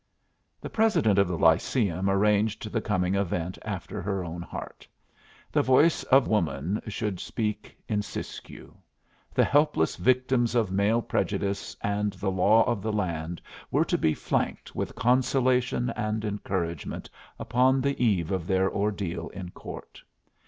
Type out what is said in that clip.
The president of the Lyceum arranged the coming event after her own heart. The voice of Woman should speak in Siskiyou. The helpless victims of male prejudice and the law of the land were to be flanked with consolation and encouragement upon the eve of their ordeal in court.